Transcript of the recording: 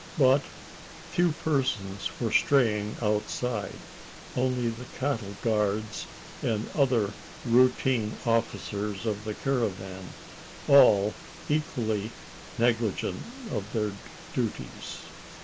But few persons were straying outside only the cattle guards and other routine officers of the caravan, all equally negligent of their duties.